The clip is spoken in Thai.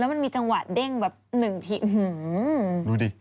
แล้วมันมีจังหวะเด้งแบบหนึ่งที